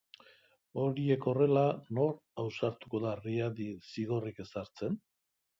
Horiek horrela, nor ausartuko da Riadi zigorrik ezartzen?